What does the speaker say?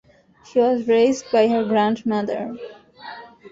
She was raised by her grandmother.